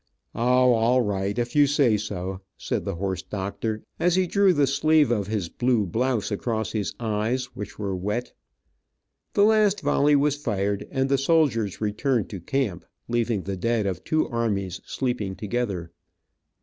"O, all right if you say so, said the horse doctor, as he drew the sleeve of his blue blouse across his eyes, which were wet. The last volley was fired, and the soldiers returned to camp, leaving the dead of two armies sleeping together.